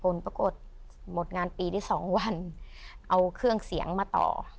ปรากฏหมดงานปีที่สองวันเอาเครื่องเสียงมาต่อ